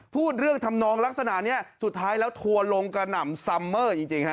พูดเรื่องทำนองลักษณะนี้สุดท้ายแล้วทัวร์ลงกระหน่ำซัมเมอร์จริงฮะ